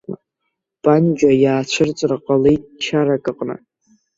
Панџьа иаацәырҵра ҟалеит чарак аҟны.